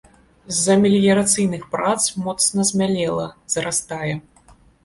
З-за меліярацыйных прац моцна змялела, зарастае.